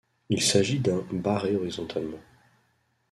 Il s’agit d’un Г barré horizontalement.